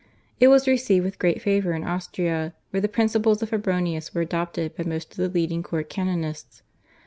It was received with great favour in Austria, where the principles of Febronius were adopted by most of the leading court canonists.